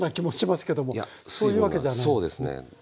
そうですね。